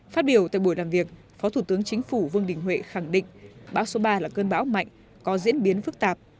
phát biểu tại buổi làm việc phó thủ tướng chính phủ vương đình huệ khẳng định bão số ba là cơn bão mạnh có diễn biến phức tạp